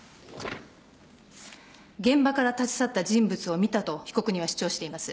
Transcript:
現場から立ち去った人物を見たと被告人は主張しています。